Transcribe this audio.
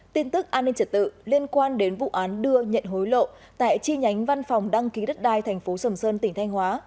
tin tức an ninh trật tự liên quan đến vụ án đưa nhận hối lộ tại chi nhánh văn phòng đăng ký đất đai thành phố sầm sơn tỉnh thanh hóa